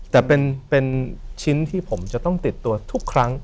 แต่เป็นชิ้นที่ผมจะต้องติดตัวทุกครั้ง